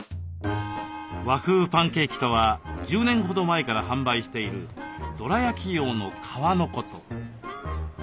和風パンケーキとは１０年ほど前から販売しているどら焼き用の皮のこと。